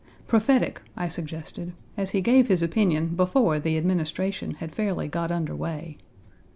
"Prophetic," I suggested, as he gave his opinion before the administration had fairly got under way.